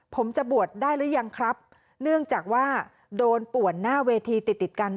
ผมจะบวชได้หรือยังครับเนื่องจากว่าโดนป่วนหน้าเวทีติดติดกัน